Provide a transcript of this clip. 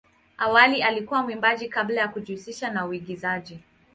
Awali alikuwa mwimbaji kabla ya kujihusisha na uigizaji.